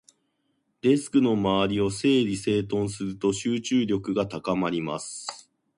デスクの周りを整理整頓すると、集中力が高まります。